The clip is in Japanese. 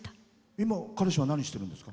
今、彼氏は何してるんですか？